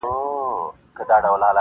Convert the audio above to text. د غزل عنوان مي ورکي و ښکلا ته,